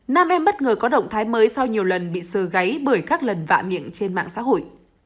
nam em bất ngờ có động thái mới sau nhiều lần bị sờ gáy bởi các lần vạ miệng trên mạng xã hội